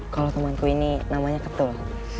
kalau temanku ini namanya ketul